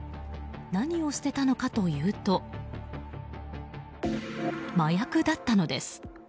何を捨てたのかというと麻薬だったのです。